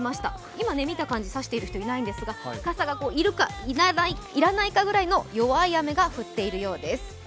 今見た感じ、差している人いないんですが、傘が要るか、要らないかぐらいの弱い雨が降っているようです。